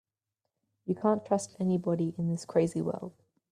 You can't trust anybody in this crazy world.